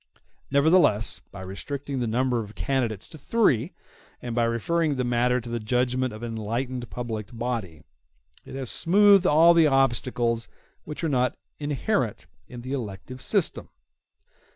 Nevertheless, by restricting the number of candidates to three, and by referring the matter to the judgment of an enlightened public body, it has smoothed all the obstacles *y which are not inherent in the elective system.